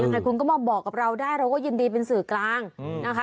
ยังไงคุณก็มาบอกกับเราได้เราก็ยินดีเป็นสื่อกลางนะคะ